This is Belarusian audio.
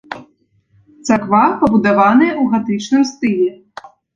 Царква пабудаваная ў гатычным стылі.